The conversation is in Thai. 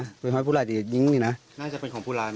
น่าจะเป็นของผู้รายไหมพ่อ